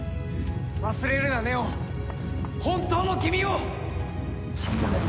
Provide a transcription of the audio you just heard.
忘れるな祢音本当の君を！